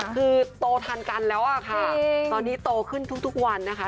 คือโตทันกันแล้วอะค่ะตอนนี้โตขึ้นทุกวันนะคะ